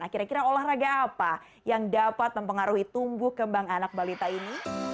kira kira olahraga apa yang dapat mempengaruhi tumbuh kembang anak balita ini